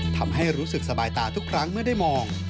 ทำให้รู้สึกสบายตาทุกครั้งเมื่อได้มอง